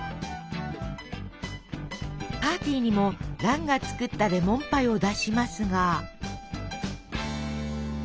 パーティーにも蘭が作ったレモンパイを出しますが。